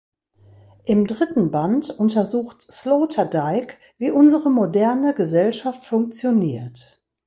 Im dritten Band untersucht Sloterdijk, wie unsere moderne Gesellschaft funktioniert.